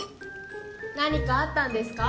何かあったんですか？